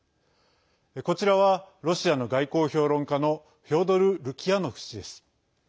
こちらは、ロシアの外交評論家のフョードル・ルキヤノフ氏です。